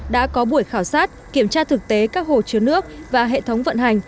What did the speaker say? đã có buổi khảo sát kiểm tra thực tế các hồ chứa nước và hệ thống vận hành